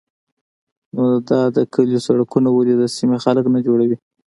_نو دا د کليو سړکونه ولې د سيمې خلک نه جوړوي؟